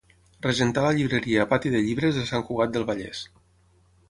Regentà la llibreria Pati de Llibres de Sant Cugat del Vallès.